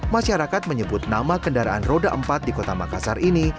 masyarakat menyebut nama kendaraan roda empat di kota makassar ini